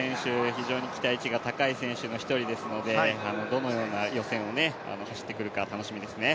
非常に期待値が高い選手の１人ですのでどのような予選を走ってくるか楽しみですね。